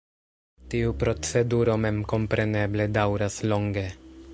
Tiu proceduro memkompreneble daŭras longe.